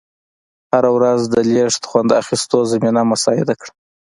هره ورځ د لیږ خوند اخېستو زمینه مساعده کړه.